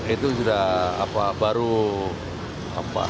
itu sudah baru suara suara dari publik dari masyarakat